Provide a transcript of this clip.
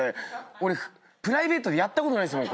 俺プライベートでやったことないですもん。